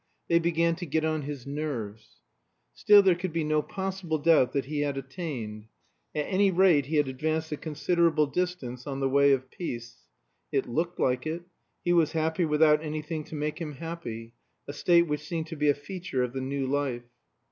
They began to get on his nerves. Still, there could be no possible doubt that he had attained. At any rate he had advanced a considerable distance on the way of peace. It looked like it; he was happy without anything to make him happy, a state which seemed to be a feature of the New Life.